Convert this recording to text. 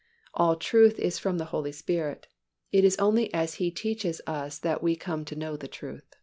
All truth is from the Holy Spirit. It is only as He teaches us that we come to know the truth.